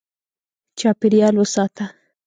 چاپېریال وساته.